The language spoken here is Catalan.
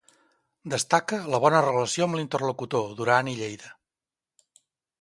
Destaca la bona relació amb l'interlocutor, Duran i Lleida.